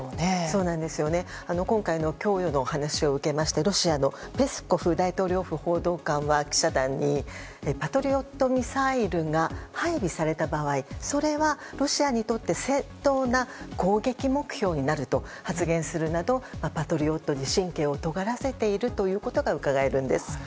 今回の供与の話を受けましてロシアのペスコフ大統領府補佐官は記者団にパトリオットミサイルが配備された場合それはロシアにとって正当な攻撃目標になると発言するなど、パトリオットに神経をとがらせていることがうかがえるんです。